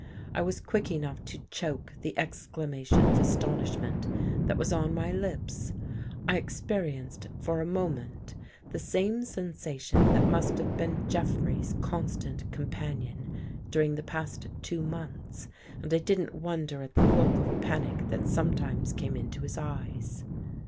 I was quick enough to choke the excla mation of astonishment that was on my lips. I ex perienced, for a moment, the same sensation that must have been Jeffrey's constant companion during the past two months and I didn't wonder at the look of panic that sometimes came into his eyes.